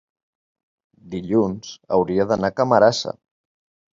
dilluns hauria d'anar a Camarasa.